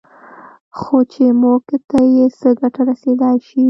خو چې موږ ته یې څه ګټه رسېدای شي